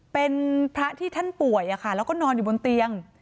เป็นพระที่ท่านป่วยแล้วก็นอนอยู่บนเตียง